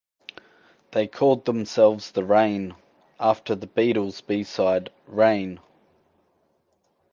They called themselves The Rain, after The Beatles' B-side, "Rain".